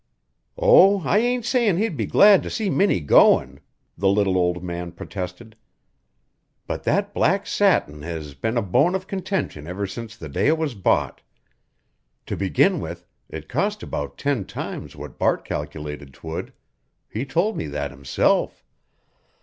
"Oh, I ain't sayin' he'd be glad to see Minnie goin'," the little old man protested. "But that black satin has been a bone of contention ever since the day it was bought. To begin with, it cost about ten times what Bart calculated 'twould; he told me that himself.